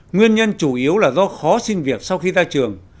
nguyên nhân chủ yếu là do khó xin việc sau khi ra trường